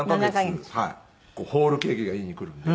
ホールケーキが家に来るんで。